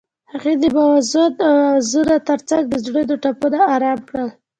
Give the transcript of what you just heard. هغې د موزون اوازونو ترڅنګ د زړونو ټپونه آرام کړل.